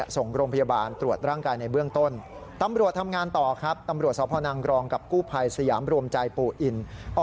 ส่งโรงพยาบาลตรวจร่างกายในเบื้องต้น